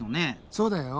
そうだよ。